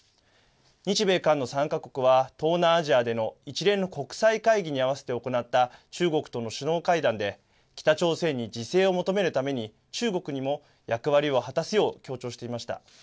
日米韓の３か国は東南アジアでの一連の国際会議にあわせて行った中国との首脳会談で、北朝鮮に自制を求めるために中国にも役割を果たすよう強調していました。